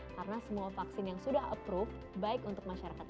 karena semua vaksin yang sudah approved baik untuk masyarakat indonesia